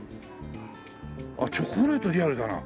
チョコレートリアルだな。